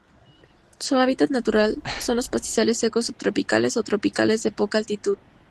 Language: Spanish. Su hábitat natural son los pastizales secos subtropicales o tropicales de poca altitud.